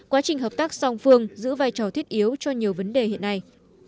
quá trình hợp tác song phương giữ vai trò thiết yếu cho nhiều vấn đề hiện nay